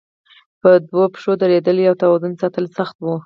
په دوو پښو درېدل او توازن ساتل سخت وو.